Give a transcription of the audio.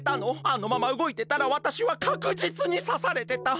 あのままうごいてたらわたしはかくじつにさされてた。